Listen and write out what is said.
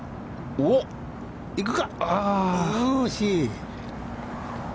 おお、惜しい。